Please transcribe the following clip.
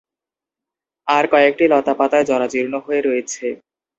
আর কয়েকটি লতাপাতায় জরাজীর্ণ হয়ে রয়েছে।